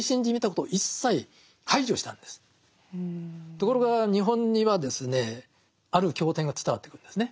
ところが日本にはある経典が伝わってくるんですね。